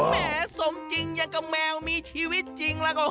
แหมสมจริงอย่างกับแมวมีชีวิตจริงแล้วก็